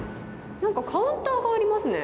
なんかカウンターがありますね。